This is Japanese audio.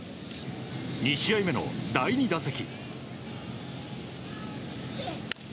２試合目の第２打席。